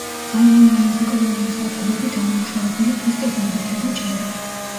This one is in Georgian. ძალიან ლამაზი კლდოვანი სადგურები დაუმუშავებელი ქვის კედლებითა და ჭერით.